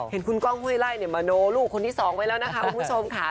เห็นคุณก้องห้วยไล่มโนลูกคนที่สองไว้แล้วนะคะคุณผู้ชมค่ะ